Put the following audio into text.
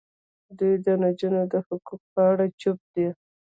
دوی د نجونو د حقونو په اړه چوپ دي.